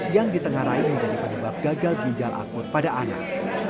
yang ditengarai menjadi penyebab gagal ginjal akut pada anak